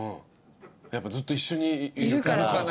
やっぱずっと一緒にいるから。